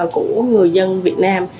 của người dân việt nam